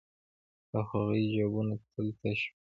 د هغوی جېبونه تل تش وي